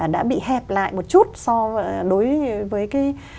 đã bị hẹp lại một chút so đối với cái